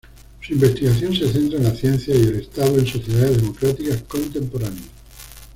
Su investigación se centra en la ciencia y el Estado en sociedades democráticas contemporáneas.